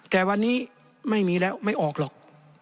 แต่วันนี้ไม่มีแล้วไม่ออกหรอก